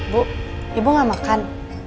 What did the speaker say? bu ibu gak makan